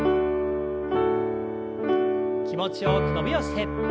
気持ちよく伸びをして。